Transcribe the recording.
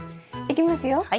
いきますよ。